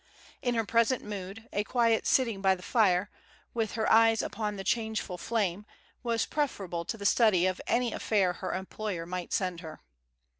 In her present mood, a quiet sitting by the fire, with her eyes upon the changeful flame, was preferable to the study of any affair her employer might send her.